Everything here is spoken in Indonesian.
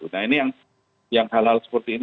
nah ini yang hal hal seperti ini